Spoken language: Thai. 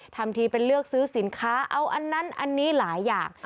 ทำทีเป็นเลือกซื้อสินค้าเอาอันนั้นอันนี้หลายอย่าง